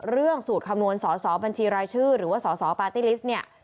เรื่องสูตรคำนวณสบัญชีรายชื่อหรือว่าสปาร์ตี้ลิสต์